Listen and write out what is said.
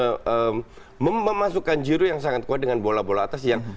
mereka masih bisa memasukkan ziru yang sangat kuat dengan bola bola atas